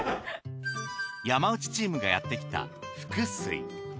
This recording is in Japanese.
山内チームがやってきた福水。